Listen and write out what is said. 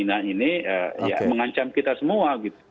dan ini ya mengancam kita semua gitu